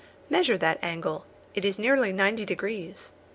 Measure that angle. It is nearly ninety degrees.